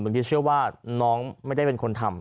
บางทีเชื่อว่าน้องไม่ได้เป็นคนทำ